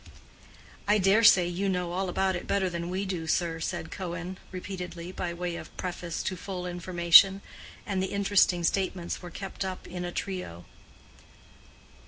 "I dare say you know all about it better than we do, sir," said Cohen, repeatedly, by way of preface to full information; and the interesting statements were kept up in a trio.